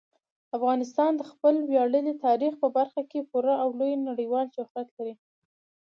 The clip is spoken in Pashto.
افغانستان د خپل ویاړلي تاریخ په برخه کې پوره او لوی نړیوال شهرت لري.